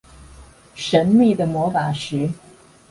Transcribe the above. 神秘的魔法石